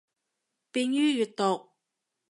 便于阅读